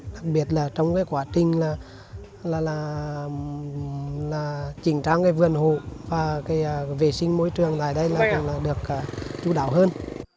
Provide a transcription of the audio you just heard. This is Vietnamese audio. đặc biệt trong quá trình chỉnh trang vườn hồ và vệ sinh môi trường tại đây được chú đạo hơn